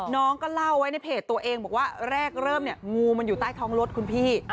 น้องก็เล่าไว้ในเพจตัวเองบอกว่าแรกเริ่มเนี่ยงูมันอยู่ใต้ท้องรถคุณพี่